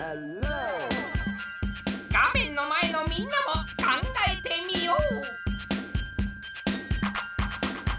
画面の前のみんなも考えてみよう！